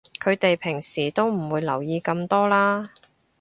佢哋平時都唔會留意咁多啦